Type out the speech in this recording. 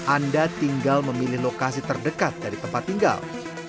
anda tinggal memilih lokasi terdekat dari tempat tinggal